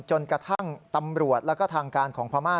จนกระทั่งตำรวจแล้วก็ทางการของพม่า